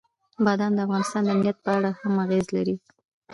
بادام د افغانستان د امنیت په اړه هم اغېز لري.